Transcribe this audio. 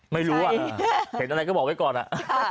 ไม่รู้อ่ะเห็นอะไรก็บอกไว้ก่อนอะ